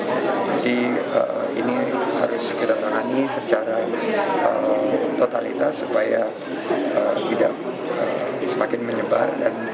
jadi ini harus kita tangani secara totalitas supaya tidak semakin menyebar